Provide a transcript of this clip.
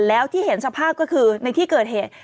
แล้วที่เห็นสภาพก็คือในที่เกิดเหตุ